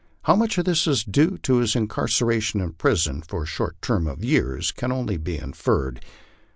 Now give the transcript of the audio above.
How much of this is due to his incar ceration in prison for a short term of years can only be inferred.